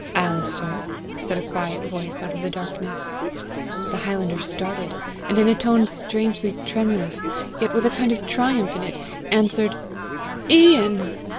"Alister!" said a quiet voice out of the darkness. The highlander started, and in a tone strangely tremulous, yet with a kind of triumph in it, answered "Ian!"